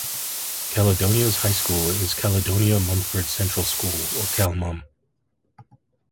Caledonia's high school is Caledonia-Mumford Central School, or Cal-Mum.